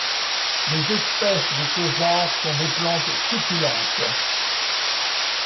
Les espèces de ce genre sont des plantes succulentes.